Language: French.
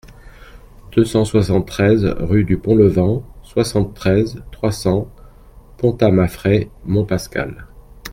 deux cent soixante-treize rue du Pont Levant, soixante-treize, trois cents, Pontamafrey-Montpascal